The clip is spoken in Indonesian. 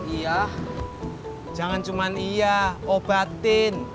iya jangan cuma iya obatin